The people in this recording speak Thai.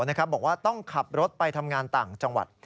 บอกว่าต้องขับรถไปทำงานต่างจังหวัด